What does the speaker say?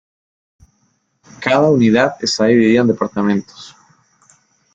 Cada unidad está dividida en departamentos.